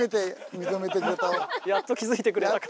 やっと気付いてくれたか。